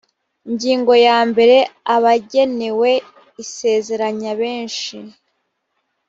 ingingo ya mbere abagenewe isezeranya benshi